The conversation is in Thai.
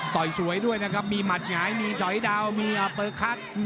ต่อยสวยด้วยนะครับมีหมัดหงายมีสอยดาวมีอาเปอร์คัท